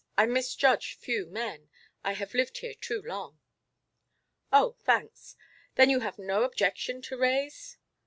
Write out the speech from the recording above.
I misjudge few men; I have lived here too long." "Oh thanks. Then you have no objection to raise?"